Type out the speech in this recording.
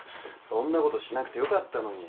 そんなことしなくてよかったのに。